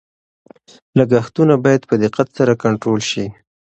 لګښتونه باید په دقت سره کنټرول شي.